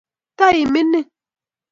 tai mining